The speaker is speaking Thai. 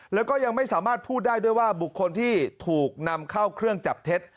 แล้วก็ยังไม่สามารถพูดได้ด้วยว่าบุคคลที่ถูกนำเข้าเครื่องจับเท็จ